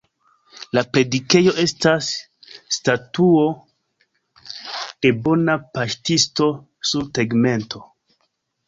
La predikejo estas Statuo de Bona Paŝtisto sur tegmento.